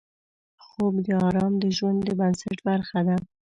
خوب د آرام د ژوند د بنسټ برخه ده